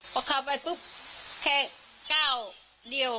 พอเข้าไปปุ๊บแค่ก้าวเดียว